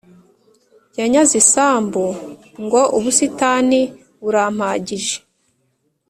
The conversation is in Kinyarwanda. yanyaze isambu ngo ubusitani burampagije